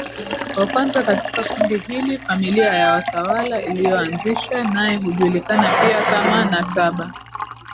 wa kwanza katika kundi hili Familia ya watawala iliyoanzishwa naye hujulikana pia kama nasaba